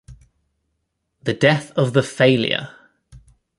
The death of the failure!